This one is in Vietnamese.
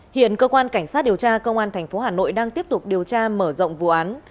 hiện cơ quan cảnh sát điều tra công an tp hà nội đang tiếp tục điều tra mở rộng vụ án